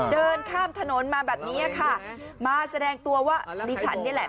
เดินข้ามถนนมาแบบนี้ค่ะมาแสดงตัวว่าดิฉันนี่แหละ